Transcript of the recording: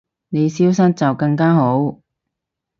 你消失就更加好